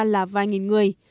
là vài nghìn người